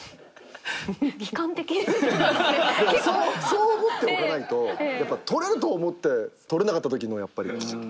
そう思っておかないとやっぱ取れると思って取れなかったときのやっぱり傷つき度よ。